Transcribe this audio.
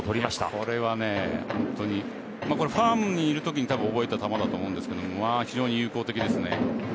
これはファームにいるときに覚えた球だと思うんですけど非常に有効的ですね。